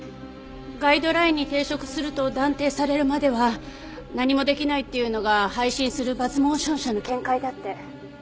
ガイドラインに抵触すると断定されるまでは何もできないっていうのが配信するＢｕｚｚＭｏｔｉｏｎ社の見解だって。